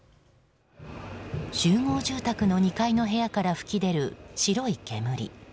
集合住宅の２階の部屋から噴き出る白い煙。